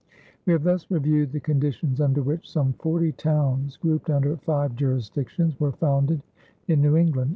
We have thus reviewed the conditions under which some forty towns, grouped under five jurisdictions, were founded in New England.